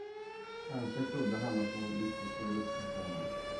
Kanske trodde han, att mor icke skulle upptäcka honom.